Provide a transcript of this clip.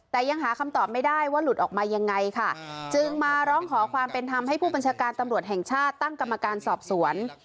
แต่ยังหาคำตอบไม่ได้ว่าหลุดออกมายังไงค่ะจึงมาร้องขอความเป็นธรรมให้ผู้บัญชาการตำรวจแห่งชาติตั้งกรรมการสอบสวน